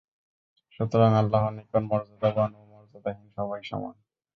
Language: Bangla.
সুতরাং আল্লাহর নিকট মর্যাদাবান ও মর্যাদাহীন সবাই সমান।